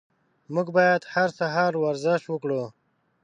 موږ باید هر سهار ورزش وکړو.